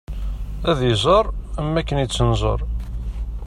Ad iẓer am akken i tt-nẓer.